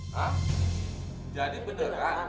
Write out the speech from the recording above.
hah jadi beneran